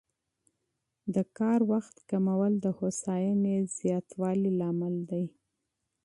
د کار ساعت کمول د هوساینې زیاتوالي لامل دی.